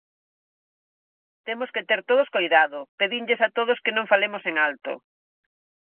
Temos que ter todos coidado; pedinlles a todos que non falemos en alto.